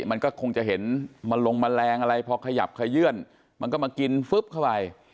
มันก็คงจะเห็นแมลงแมลงอะไรพอขยับขยื่นมันก็มากินฟึ๊บเข้าไป